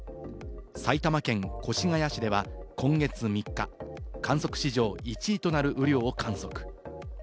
埼玉県越谷市では今月３日、観測史上１位となる雨量を観測。